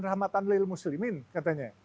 rahmatan lilmuslimin katanya